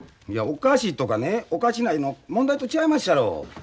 いやおかしいとかねおかしないの問題とちゃいまっしゃろ。